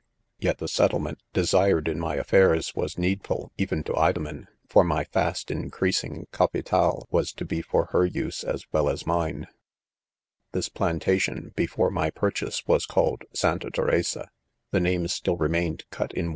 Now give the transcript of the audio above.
u Yet ""the settlement i desired in my affairs^ was needful, even to Idomen ; for my fast in creasing " cafctaiy was r to be for her use as well as mine«r This plantation before my pur chase was called Santa Teresa ;? the name still remained cut in.